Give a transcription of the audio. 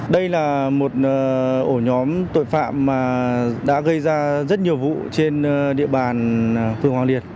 đây là một ổ nhóm tội phạm mà đã gây ra rất nhiều vụ trên địa bàn phường hoàng liệt